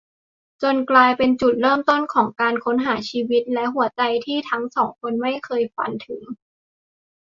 จนกลายเป็นจุดเริ่มต้นของการค้นหาชีวิตและหัวใจที่ทั้งสองคนไม่เคยฝันถึง